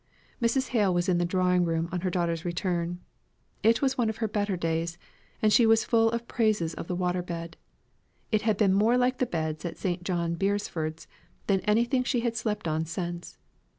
Mrs. Hale was in the drawing room on her daughter's return. It was one of her better days, and she was full of praises of the water bed. It had been more like the beds at Sir John Beresford's than anything she had slept on since.